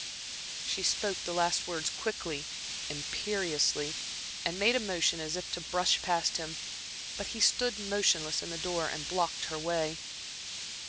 She spoke the last words quickly, imperiously, and made a motion as if to brush past him; but he stood motionless in the door and blocked her way.